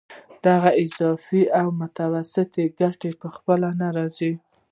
دغه اضافي او متوسطه ګټه په خپله نه راځي